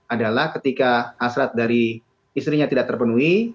adalah ketika hasrat dari istrinya tidak terpenuhi